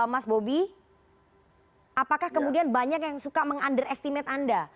mas bobi apakah kemudian banyak yang suka meng under estimate anda